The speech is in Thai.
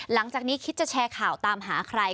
หลังจากนี้คิดจะแชร์ข่าวตามหาใคร